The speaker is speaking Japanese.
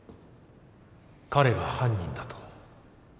彼が犯人だと。